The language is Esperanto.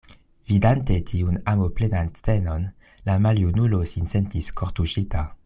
Vidante tiun amoplenan scenon, la maljunulo sin sentis kortuŝita.